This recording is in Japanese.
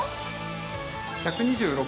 １２６